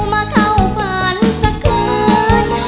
มาเข้าฝั่งสะคืน